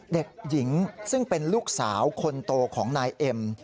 เด็กหญิงซึ่งเป็นลูกสาวคนโตของนายเอ็ม